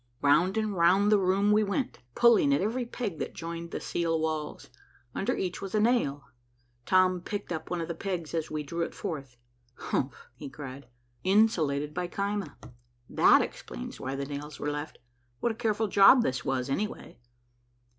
Round and round the room we went, pulling at every peg that joined the sealed walls. Under each was a nail. Tom picked up one of the pegs as we drew it forth. "Humph!" he cried. "Insulated by caema. That explains why the nails were left. What a careful job this was, anyway."